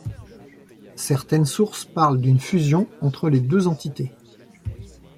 Certaines sources parlent d'une fusion entre les deux entités.